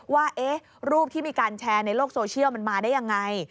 ว่ารูปที่มีการแชร์ในโลกโซเชียลมันมาได้ยังไง